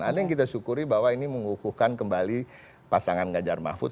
ada yang kita syukuri bahwa ini mengukuhkan kembali pasangan ngajar mahfud